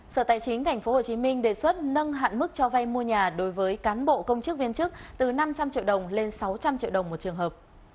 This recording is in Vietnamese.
sở tài chính tp hcm đề xuất nâng hạn mức cho vay mua nhà đối với cán bộ công chức viên chức từ năm trăm linh triệu đồng lên sáu trăm linh triệu đồng một trường hợp